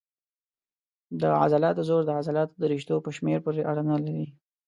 د عضلاتو زور د عضلاتو د رشتو په شمېر پورې اړه نه لري.